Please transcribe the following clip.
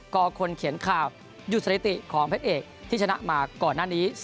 ก็คนเขียนข่าวหยุดสถิติของพระเอกที่ชนะมาก่อนหน้านี้